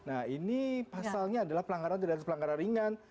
nah ini pasalnya adalah pelanggaran jenis pelanggaran ringan